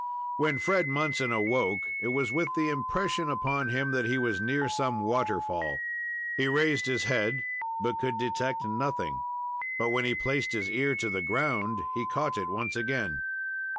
Then Fred Munson awoke, it was with the impression upon him that he was near some waterfall. He raised his head, but could detect nothing; but when he placed his ear to the ground, he caught it once again.